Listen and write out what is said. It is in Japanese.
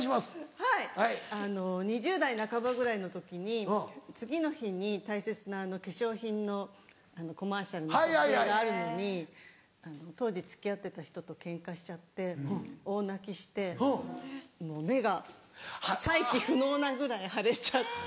はい２０代半ばぐらいの時に次の日に大切な化粧品のコマーシャルの撮影があるのに当時付き合ってた人とケンカしちゃって大泣きしてもう目が再起不能なぐらい腫れちゃって。